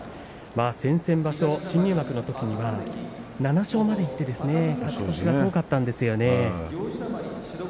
先々場所新入幕のときには７勝までいって勝ち越しが遠かったんですよね。